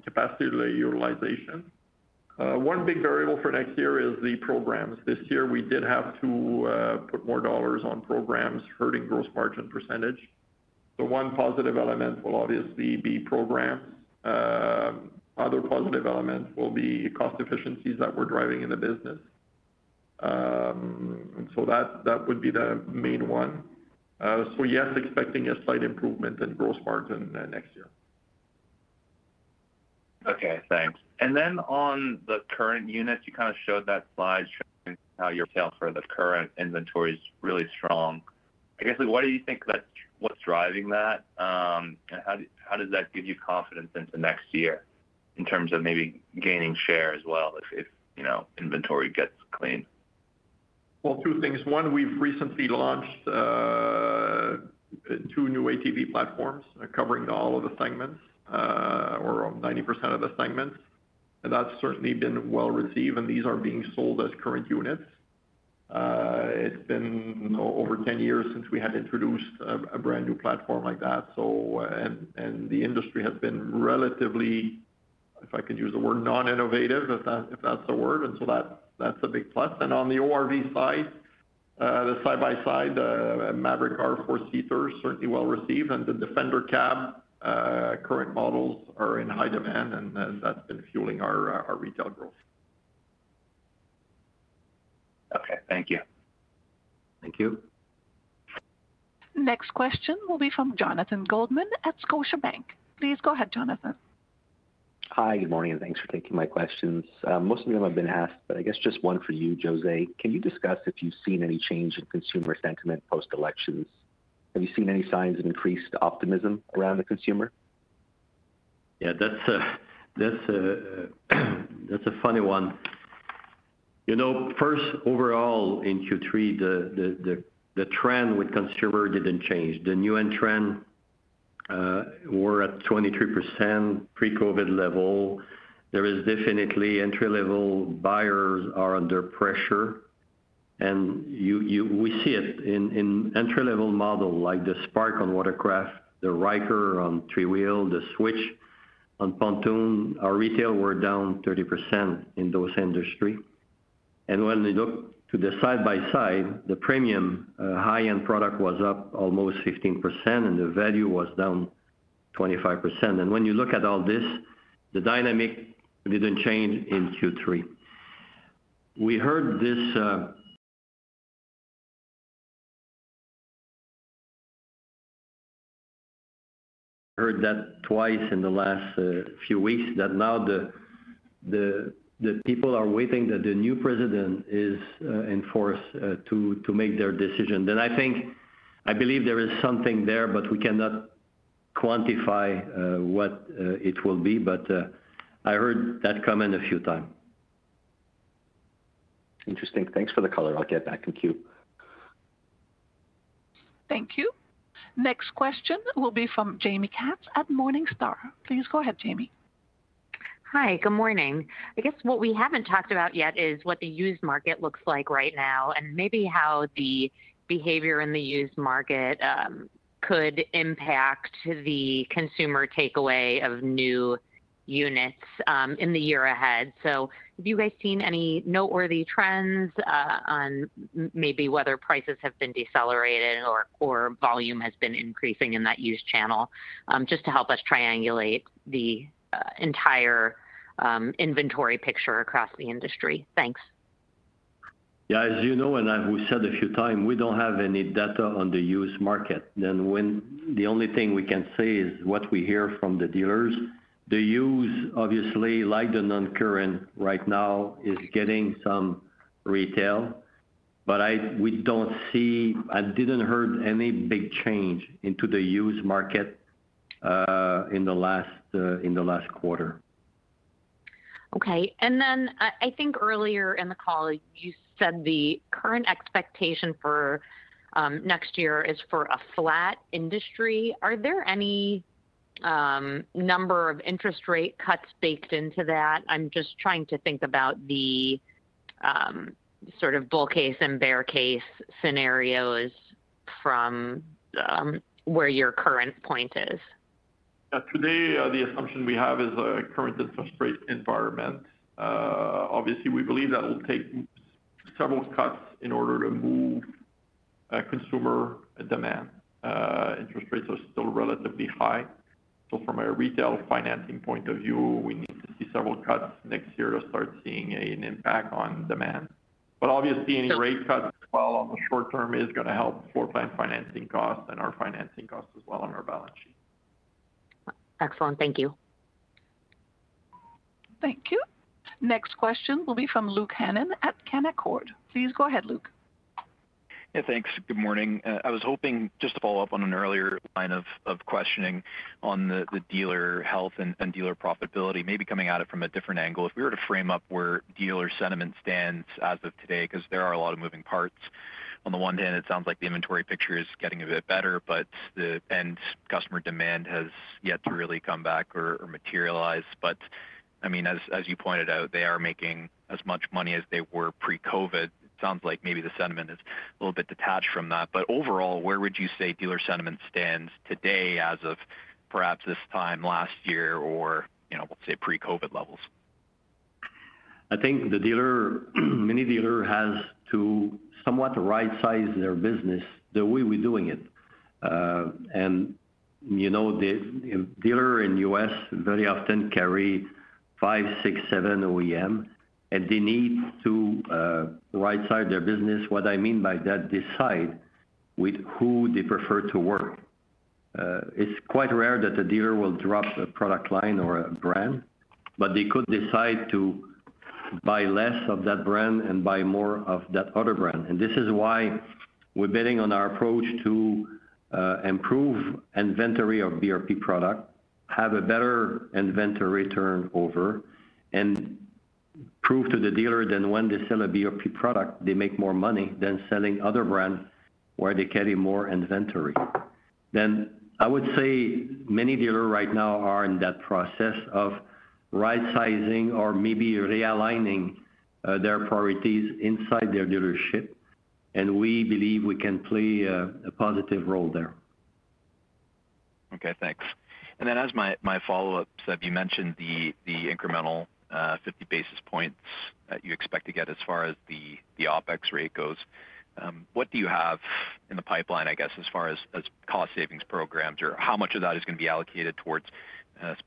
Speaker 3: capacity utilization. One big variable for next year is the programs. This year, we did have to put more dollars on programs hurting gross margin percentage. So one positive element will obviously be programs. Other positive elements will be cost efficiencies that we're driving in the business. So that would be the main one. So yes, expecting a slight improvement in gross margin next year.
Speaker 13: Okay. Thanks. And then on the current units, you kind of showed that slide showing how your sales for the current inventory is really strong. I guess, what do you think that's what's driving that? And how does that give you confidence into next year in terms of maybe gaining share as well if inventory gets cleaned?
Speaker 4: Well, two things. One, we've recently launched two new ATV platforms covering all of the segments or 90% of the segments. And that's certainly been well received, and these are being sold as current units. It's been over 10 years since we had introduced a brand new platform like that. And the industry has been relatively, if I can use the word, non-innovative, if that's a word. And so that's a big plus. And on the ORV side, the side-by-side Maverick R 4-seaters certainly well received. And the Defender Cab current models are in high demand, and that's been fueling our retail growth.
Speaker 13: Okay. Thank you.
Speaker 3: Thank you.
Speaker 1: Next question will be from Jonathan Goldman at Scotiabank. Please go ahead, Jonathan.
Speaker 14: Hi, good morning, and thanks for taking my questions. Most of them have been asked, but I guess just one for you, José. Can you discuss if you've seen any change in consumer sentiment post-elections? Have you seen any signs of increased optimism around the consumer?
Speaker 3: Yeah. That's a funny one. First, overall, in Q3, the trend with consumer didn't change. The new entrant were at 23% pre-COVID level. There is definitely entry-level buyers are under pressure. We see it in entry-level models like the Spark on watercraft, the Ryker on three-wheel, the Switch on pontoon. Our retail were down 30% in those industries. And when we look to the side-by-side, the premium high-end product was up almost 15%, and the value was down 25%. And when you look at all this, the dynamic didn't change in Q3. We heard that twice in the last few weeks, that now the people are waiting for the new president to take office to make their decision. And I believe there is something there, but we cannot quantify what it will be. But I heard that comment a few times.
Speaker 14: Interesting. Thanks for the color. I'll get back in queue.
Speaker 1: Thank you. Next question will be from Jaime Katz at Morningstar. Please go ahead, Jamie.
Speaker 15: Hi, good morning. I guess what we haven't talked about yet is what the used market looks like right now and maybe how the behavior in the used market could impact the consumer takeaway of new units in the year ahead. So have you guys seen any noteworthy trends on maybe whether prices have been decelerated or volume has been increasing in that used channel just to help us triangulate the entire inventory picture across the industry? Thanks.
Speaker 3: Yeah. As you know, and we said a few times, we don't have any data on the used market. And the only thing we can say is what we hear from the dealers. The used, obviously, like the non-current right now, is getting some retail. But we don't see and didn't hear any big change into the used market in the last quarter.
Speaker 15: Okay. And then I think earlier in the call, you said the current expectation for next year is for a flat industry. Are there any number of interest rate cuts baked into that? I'm just trying to think about the sort of bull case and bear case scenarios from where your current point is.
Speaker 3: Today, the assumption we have is a current interest rate environment. Obviously, we believe that will take several cuts in order to move consumer demand. Interest rates are still relatively high. So from a retail financing point of view, we need to see several cuts next year to start seeing an impact on demand. But obviously, any rate cuts as well on the short term is going to help floor plan financing costs and our financing costs as well on our balance sheet.
Speaker 15: Excellent. Thank you.
Speaker 1: Thank you. Next question will be from Luke Hannan at Canaccord. Please go ahead, Luke.
Speaker 16: Yeah. Thanks. Good morning. I was hoping just to follow up on an earlier line of questioning on the dealer health and dealer profitability, maybe coming at it from a different angle. If we were to frame up where dealer sentiment stands as of today, because there are a lot of moving parts. On the one hand, it sounds like the inventory picture is getting a bit better, but the end customer demand has yet to really come back or materialize. But I mean, as you pointed out, they are making as much money as they were pre-COVID. It sounds like maybe the sentiment is a little bit detached from that. But overall, where would you say dealer sentiment stands today as of perhaps this time last year or, we'll say, pre-COVID levels?
Speaker 3: I think the dealer, many dealers have to somewhat right-size their business the way we're doing it. And dealers in the U.S. very often carry five, six, seven OEMs, and they need to right-size their business. What I mean by that, decide with who they prefer to work. It's quite rare that a dealer will drop a product line or a brand, but they could decide to buy less of that brand and buy more of that other brand. And this is why we're betting on our approach to improve inventory of BRP product, have a better inventory turnover and prove to the dealer that when they sell a BRP product, they make more money than selling other brands where they carry more inventory. Then I would say many dealers right now are in that process of right-sizing or maybe realigning their priorities inside their dealership. We believe we can play a positive role there.
Speaker 16: Okay. Thanks. And then as my follow-up, you mentioned the incremental 50 basis points that you expect to get as far as the OpEx rate goes. What do you have in the pipeline, I guess, as far as cost savings programs? Or how much of that is going to be allocated towards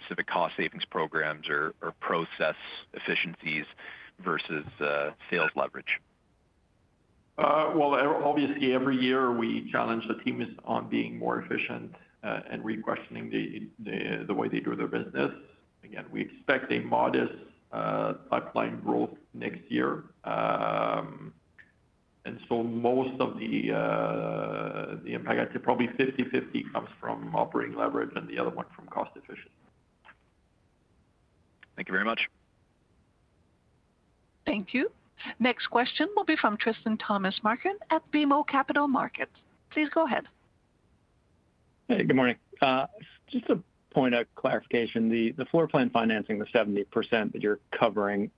Speaker 16: specific cost savings programs or process efficiencies versus sales leverage? Well, obviously, every year, we challenge the team on being more efficient and re-questioning the way they do their business. Again, we expect a modest pipeline growth next year. And so most of the impact I'd say probably 50/50 comes from operating leverage and the other one from cost efficiency.
Speaker 4: Thank you very much. Thank you. Next question will be from Tristan Thomas-Martin at BMO Capital Markets. Please go ahead.
Speaker 17: Hey, good morning. Just to point out clarification, the floor plan financing, the 70% that you're covering,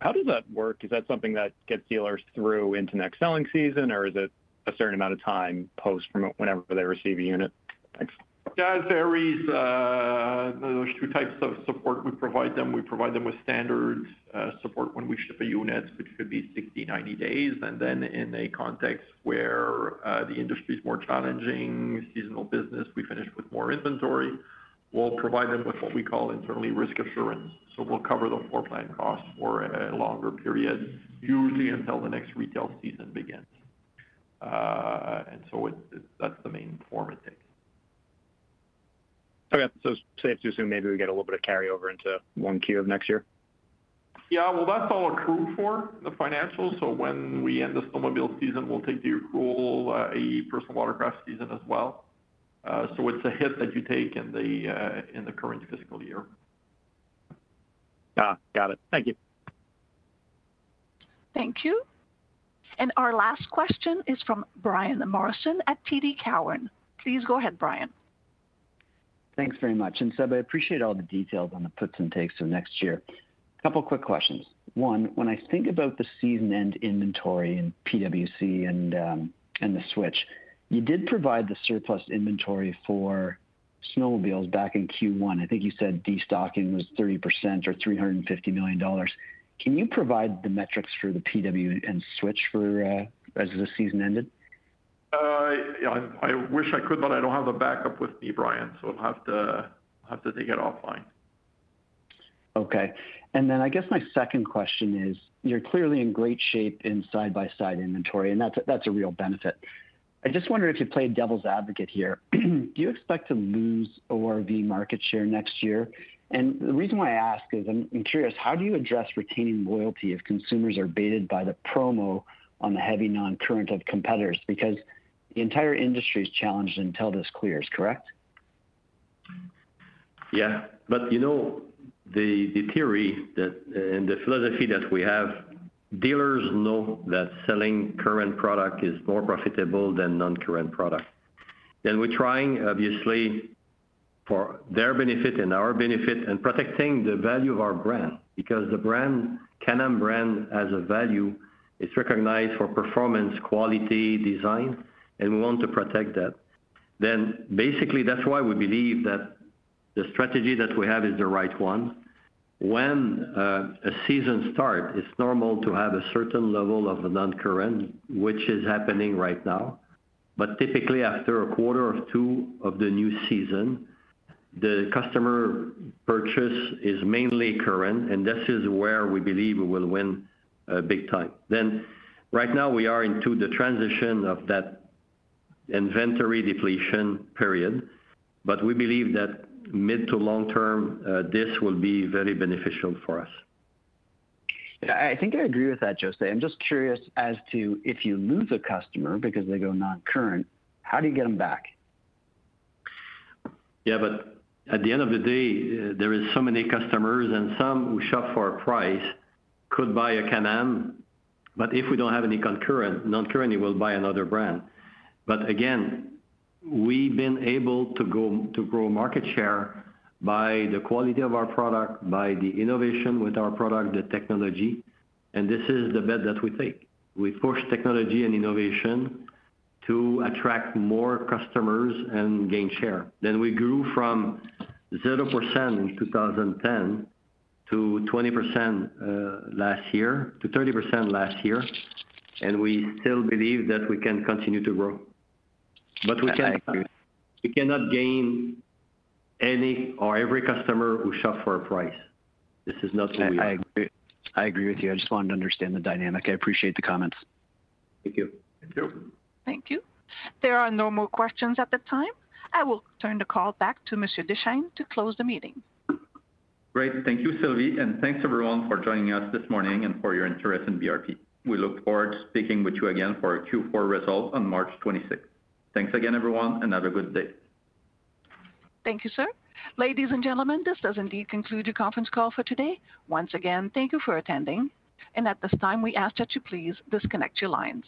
Speaker 17: how does that work? Is that something that gets dealers through into next selling season, or is it a certain amount of time post whenever they receive a unit?
Speaker 4: Thanks. It varies. There's two types of support we provide them. We provide them with standard support when we ship a unit, which could be 60, 90 days. And then in a context where the industry is more challenging, seasonal business, we finish with more inventory. We'll provide them with what we call internally risk assurance. So we'll cover the floor plan cost for a longer period, usually until the next retail season begins. And so that's the main form it takes.
Speaker 17: Okay. So safe to assume maybe we get a little bit of carryover into Q1 of next year?
Speaker 4: Yeah. That's all accrued for the financials. So when we end the snowmobile season, we'll take the accrual, a personal watercraft season as well. So it's a hit that you take in the current fiscal year.
Speaker 17: Got it. Thank you.
Speaker 1: Thank you. And our last question is from Brian Morrison at TD Cowen. Please go ahead, Brian.
Speaker 18: Thanks very much. And Seb, I appreciate all the details on the puts and takes for next year. A couple of quick questions. One, when I think about the season-end inventory in PWC and the Switch, you did provide the surplus inventory for snowmobiles back in Q1. I think you said destocking was 30% or 350 million dollars. Can you provide the metrics for the PWC and Switch as the season ended?
Speaker 4: I wish I could, but I don't have a backup with me, Brian. So I'll have to take it offline.
Speaker 18: Okay. And then I guess my second question is, you're clearly in great shape in side-by-side inventory, and that's a real benefit. I just wonder if you play devil's advocate here. Do you expect to lose ORV market share next year? And the reason why I ask is I'm curious, how do you address retaining loyalty if consumers are baited by the promo on the heavy non-current of competitors? Because the entire industry is challenged until this clears, correct?
Speaker 3: Yeah. But the theory and the philosophy that we have, dealers know that selling current product is more profitable than non-current product. And we're trying, obviously, for their benefit and our benefit and protecting the value of our brand. Because the Can-Am brand has a value. It's recognized for performance, quality, design, and we want to protect that. Basically, that's why we believe that the strategy that we have is the right one. When a season starts, it's normal to have a certain level of non-current, which is happening right now. Typically, after a quarter or two of the new season, the customer purchase is mainly current, and this is where we believe we will win big time. Right now, we are into the transition of that inventory depletion period. We believe that mid to long term, this will be very beneficial for us.
Speaker 18: I think I agree with that, José. I'm just curious as to if you lose a customer because they go non-current, how do you get them back?
Speaker 3: Yeah. At the end of the day, there are so many customers, and some who shop for a price could buy a Can-Am. But if we don't have any non-current, they will buy another brand. But again, we've been able to grow market share by the quality of our product, by the innovation with our product, the technology. And this is the bet that we take. We push technology and innovation to attract more customers and gain share. Then we grew from 0% in 2010 to 20% last year to 30% last year. And we still believe that we can continue to grow. But we cannot gain any or every customer who shops for a price. This is not who we are.
Speaker 18: I agree with you. I just wanted to understand the dynamic. I appreciate the comments. Thank you.
Speaker 3: Thank you.
Speaker 1: Thank you. There are no more questions at the time. I will turn the call back to Mr. Deschênes to close the meeting.
Speaker 2: Great. Thank you, Sylvie. Thanks everyone for joining us this morning and for your interest in BRP. We look forward to speaking with you again for Q4 results on March 26th. Thanks again, everyone, and have a good day.
Speaker 1: Thank you, sir. Ladies and gentlemen, this does indeed conclude the conference call for today. Once again, thank you for attending. At this time, we ask that you please disconnect your lines.